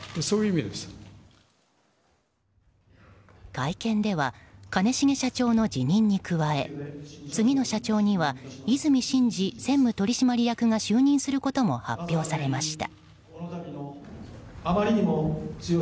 会見では兼重社長の辞任に加え次の社長には和泉伸二専務取締役が就任することも発表されました。